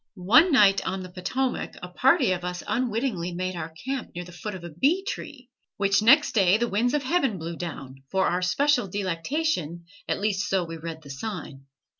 One night on the Potomac a party of us unwittingly made our camp near the foot of a bee tree, which next day the winds of heaven blew down, for our special delectation, at least so we read the sign.